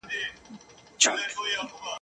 دا مراسم د جلال اباد په ښار کي وو.